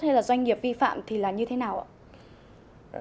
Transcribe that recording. hay là doanh nghiệp vi phạm thì là như thế nào ạ